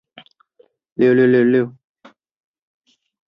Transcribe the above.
断裂指物体在力的作用下开裂分离成两个或多个部分。